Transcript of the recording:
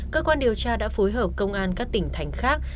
cơ quan điều tra đã phối hợp công an các tỉnh thành khác